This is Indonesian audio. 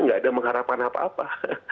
nggak ada mengharapkan apa apa